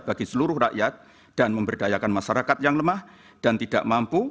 bagi seluruh rakyat dan memberdayakan masyarakat yang lemah dan tidak mampu